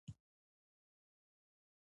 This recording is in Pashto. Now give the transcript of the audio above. ایا زه باید ماشوم ته کچالو ورکړم؟